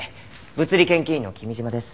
物理研究員の君嶋です。